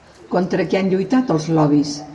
Contra què han lluitat els lobbys?